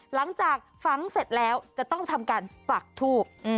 หลังจากฝังเสร็จแล้วจะต้องทำการปักทูบ